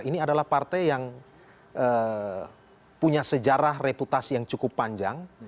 ini adalah partai yang punya sejarah reputasi yang cukup panjang